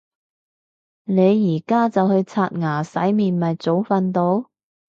你而家就去刷牙洗面咪早瞓到